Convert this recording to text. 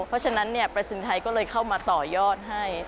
เพราะฉะนั้นประสินไทยก็เลยเข้ามาต่อยอดให้